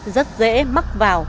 rất dễ mắc vào